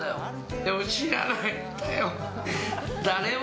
誰も知らないんだよ。